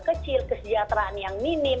kemudian kita harus memiliki kekuatan yang lebih kecil